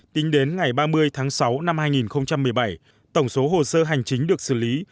tính đến ngày ba mươi tháng sáu năm hai nghìn một mươi bảy tổng số hồ sơ hành chính được xử lý